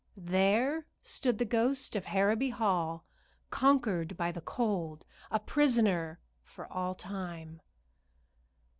There stood the ghost of Harrowby Hall, conquered by the cold, a prisoner for all time.